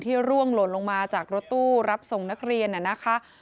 ร่วงหล่นลงมาจากรถตู้รับส่งนักเรียนน่ะนะคะ